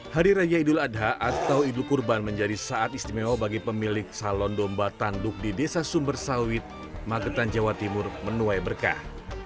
hari raya idul adha atau idul kurban menjadi saat istimewa bagi pemilik salon domba tanduk di desa sumber sawit magetan jawa timur menuai berkah